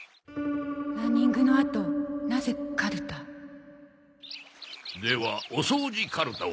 ランニングのあとなぜかるた？ではお掃除かるたを始めます。